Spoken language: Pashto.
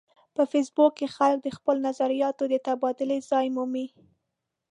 په فېسبوک کې خلک د خپلو نظریاتو د تبادلې ځای مومي